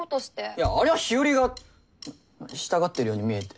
いやあれは日和がしたがってるように見えて。